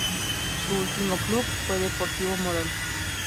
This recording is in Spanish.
Su último club fue Deportivo Morón.